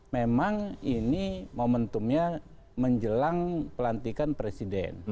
memang ini momentumnya menjelang pelantikan presiden